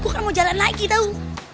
gue kan mau jalan lagi tau